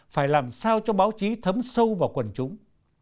phải làm sao cho báo chí thấm sâu vào quần chúng